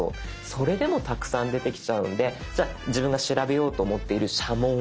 それでもたくさん出てきちゃうんでじゃあ自分が調べようと思っている「社紋」を入れようとか。